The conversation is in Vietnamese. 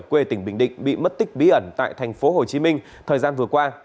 quê tỉnh bình định bị mất tích bí ẩn tại tp hcm thời gian vừa qua